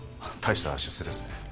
大した出世ですね。